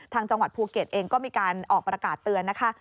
จังหวัดภูเก็ตเองก็มีการออกประกาศเตือนนะคะ